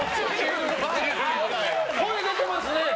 声出てますね。